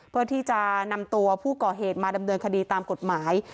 เพื่อที่จะนำตัวผู้ก่อเหตุมาดำเนินคดีตามกฎหมาย